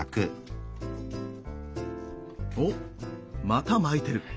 おっまた巻いてる。